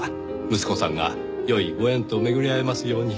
息子さんが良いご縁と巡り合えますように。